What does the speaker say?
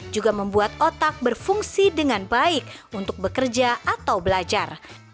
juga membuat otak berfungsi dengan baik untuk bekerja atau belajar